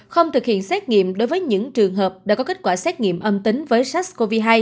không thực hiện xét nghiệm đối với những trường hợp đã có kết quả xét nghiệm âm tính với sars cov hai